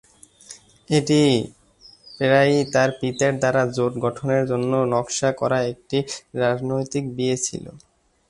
এটি প্রায়শই তার পিতার দ্বারা জোট গঠনের জন্য নকশা করা একটি রাজনৈতিক বিয়ে ছিল।